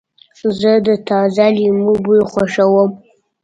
زه د تازه لیمو بوی خوښوم.